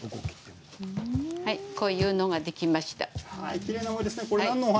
こういうのができました。